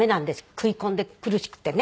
食い込んで苦しくてね。